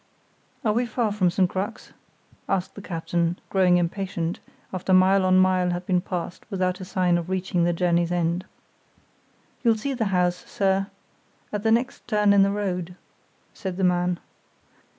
"Are we far from St. Crux?" asked the captain, growing impatient, after mile on mile had been passed without a sign of reaching the journey's end. "You'll see the house, sir, at the next turn in the road," said the man.